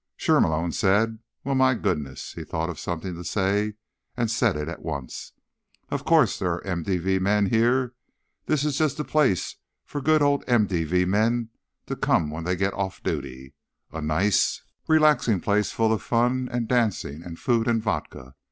"Sure," Malone said. "Well. My goodness." He thought of something to say, and said it at once. "Of course there are MVD men here. This is just the place for good old MVD men to come when they go off duty. A nice, relaxing place full of fun and dancing and food and vodka...."